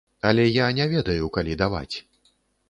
Але я не ведаю, калі даваць.